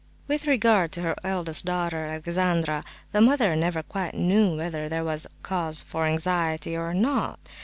With regard to her eldest daughter, Alexandra, the mother never quite knew whether there was cause for anxiety or not.